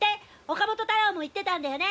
岡本太郎も言ってたんだよね！